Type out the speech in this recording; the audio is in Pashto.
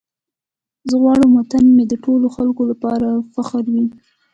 زه غواړم وطن مې د ټولو خلکو لپاره فخر وي.